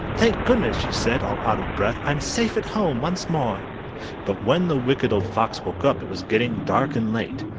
"Thank goodness!" she said, all out of breath, "I'm safe at home once more!" But when the Wicked Old Fox woke up, It was getting dark and late.